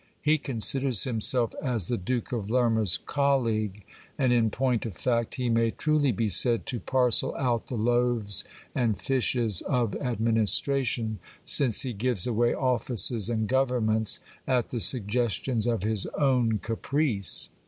He considers himself as the Duke of Lerma's colleague ; and in point of fact, he may truly be said to parcel out the loaves and fishes of administration, since he gives away offices and governments at the suggestions of his own ca price.